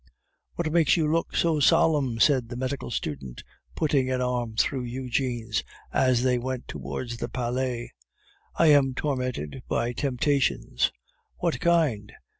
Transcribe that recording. "What makes you look so solemn?" said the medical student, putting an arm through Eugene's as they went towards the Palais. "I am tormented by temptations." "What kind?